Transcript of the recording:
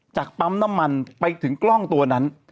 ปั๊มน้ำมันไปถึงกล้องตัวนั้น